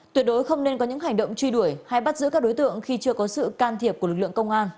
tuyệt đối không nên có những hành động truy đuổi hay bắt giữ các đối tượng khi chưa có sự can thiệp của lực lượng công an